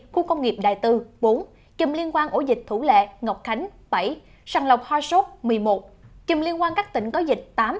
khu công nghiệp đại tư bốn chùm liên quan ổ dịch thủ lệ ngọc khánh bảy sàng lọc ho sốt một mươi một chùm liên quan các tỉnh có dịch tám